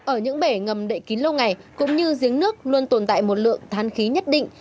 ở những bể ngầm đậy kín lâu ngày cũng như giếng nước luôn tồn tại một lượng than khí nhất định